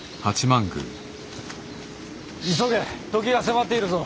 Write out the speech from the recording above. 急げ時が迫っているぞ。